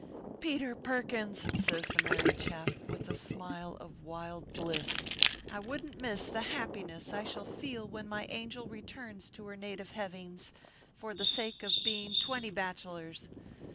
" Peter Perkins !" says the married chap, with a smile of wild bliss, " I wouldn t miss the happiness I shall feel when my angel returns to her native hev ings, for the sake of being twenty bachelors.